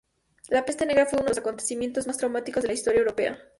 La Peste Negra fue uno de los acontecimientos más traumáticos de la historia europea.